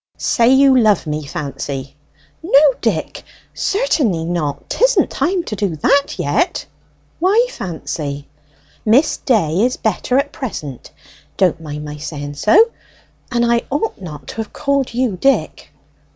"Say you love me, Fancy." "No, Dick, certainly not; 'tisn't time to do that yet." "Why, Fancy?" "'Miss Day' is better at present don't mind my saying so; and I ought not to have called you Dick."